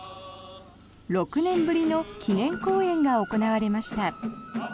６年ぶりの記念公演が行われました。